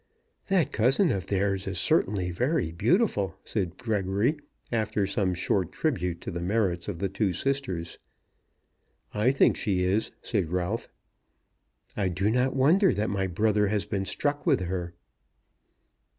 "That cousin of theirs is certainly very beautiful," said Gregory, after some short tribute to the merits of the two sisters. "I think she is," said Ralph. "I do not wonder that my brother has been struck with her."